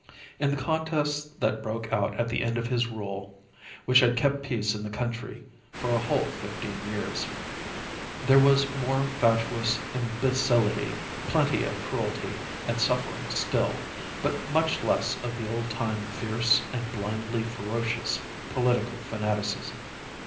In the contests that broke out at the end of his rule (which had kept peace in the country for a whole fifteen years) there was more fatuous imbecility, plenty of cruelty and suffering still, but much less of the old time fierce and blindly ferocious political fanaticism.